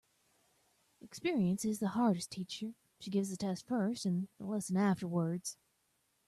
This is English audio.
Experience is the hardest teacher. She gives the test first and the lesson afterwards.